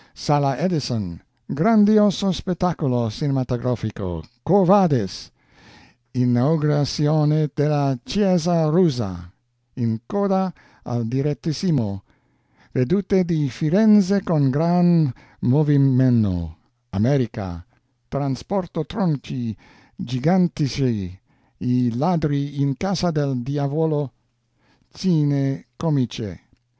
SALA EDISON Grandioso spettacolo Cinematografico: QUO VADIS? Inaugurazione della Chiesa Russa In coda al Direttissimo Vedute di Firenze con gran movimeno America: Transporto tronchi giganteschi I ladri in casa del Diavolo Scene comiche.